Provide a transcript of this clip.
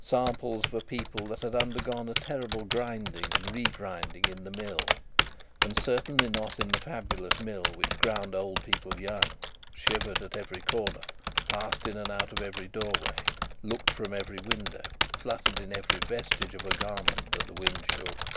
Samples of a people that had undergone a terrible grinding and regrinding in the mill, and certainly not in the fabulous mill which ground old people young, shivered at every corner, passed in and out at every doorway, looked from every window, fluttered in every vestige of a garment that the wind shook.